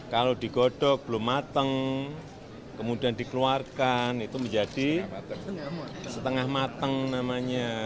kalau digodok belum mateng kemudian dikeluarkan itu menjadi setengah mateng namanya